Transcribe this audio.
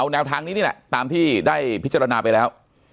แนวทางนี้นี่แหละตามที่ได้พิจารณาไปแล้ว